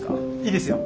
いいですよ。